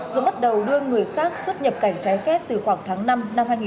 rồi bắt đầu đưa người khác xuất nhập cảnh trái phép từ khoảng tháng năm năm hai nghìn hai mươi